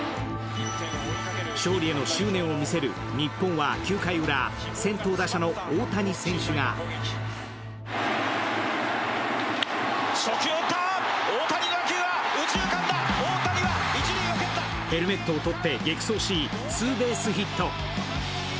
勝利への執念を見せる日本は９回ウラ、先頭打者の大谷選手がヘルメットを取って激走しツーベースヒット。